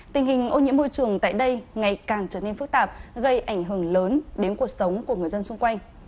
tình hình ô nhiễm môi trường tại đây ngày càng trở nên phức tạp gây ảnh hưởng lớn đến cuộc sống của người dân xung quanh